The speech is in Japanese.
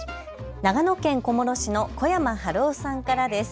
長野県小諸市の小山晴夫さんからです。